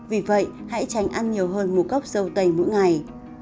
vì vậy hãy tránh ăn nhiều hơn một gốc dâu tây mỗi ngày